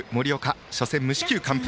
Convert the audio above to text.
初戦無四球完封。